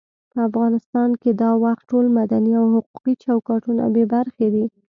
په افغانستان کې دا وخت ټول مدني او حقوقي چوکاټونه بې برخې دي.